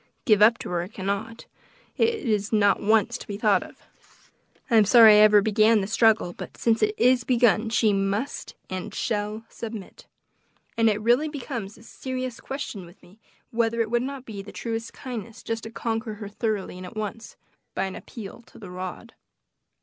give up to her I cannot; it is not once to be thought of. I am sorry I ever began the struggle, but since it is begun she must and shall submit; and it has really become a serious question with me, whether it would not be the truest kindness just to conquer her thoroughly and at once, by an appeal to the rod."